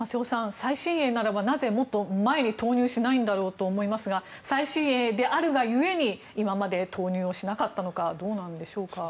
最新鋭ならばなぜ、もっと前に投入しないんだと思うんですが最新鋭であるがゆえに今まで投入しなかったのかどうなんでしょうか？